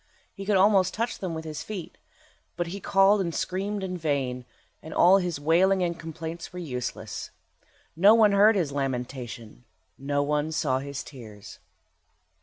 He could almost touch them with his feet, but he called and screamed in vain, and all his wailing and complaints were useless. No one heard his lamentation, no one saw his tears.